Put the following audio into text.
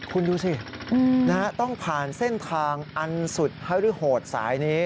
คุณดูสิต้องผ่านเส้นทางอันสุดฮือโหดสายนี้